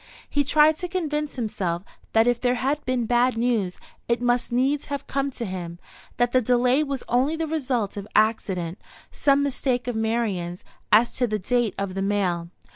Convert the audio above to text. He tried to convince himself that if there had been bad news, it must needs have come to him; that the delay was only the result of accident, some mistake of Marian's as to the date of the mail.